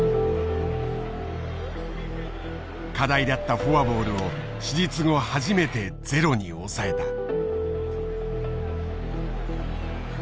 課題だったフォアボールを手術後初めてゼロに抑えた。